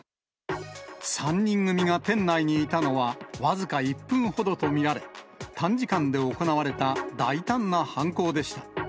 ３人組が店内にいたのは僅か１分ほどと見られ、短時間で行われた大胆な犯行でした。